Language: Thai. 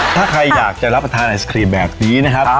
ถ้าใครอยากจะรับประทานไอศครีมแบบนี้นะครับ